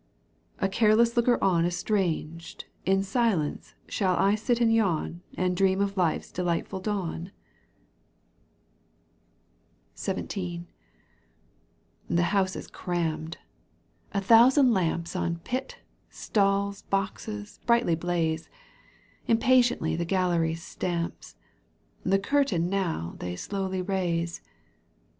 — A careless looker on estranged In silence shall I sit and yawn And dream of life's delightful dawn ? Digitized by CjOOQ 1С CANTO I. EUGENE ONEGUINE. 11 XVII. The house is crammed. A thousaлd lamps On pit, stalls, boxes, brightly blaze, Impatiently the gallery stamps, The curtain now they slowly raise.